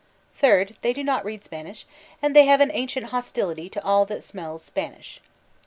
Third, they do not read Spanish, and they have an ancient hostility to all that smells Spanish.